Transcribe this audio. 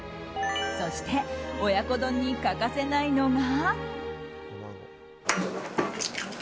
そして親子丼に欠かせないのが。